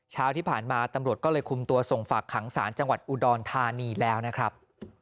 เช้าที่ผ่านมาตำรวจก็เลยคุมตัวส่งฝากขังศาลจังหวัดอุดรธานีแล้วนะครับ